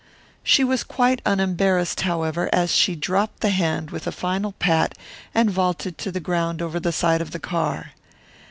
She was quite unembarrassed, however, as she dropped the hand with a final pat and vaulted to the ground over the side of the car.